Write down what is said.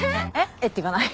「えっ？」って言わない。